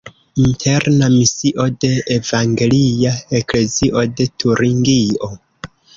Interna misio de Evangelia eklezio de Turingio.